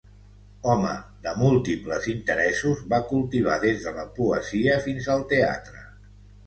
Home de múltiples interessos, va cultivar des de la poesia fins al teatre.